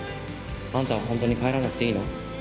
あんたは本当に帰らなくていいの？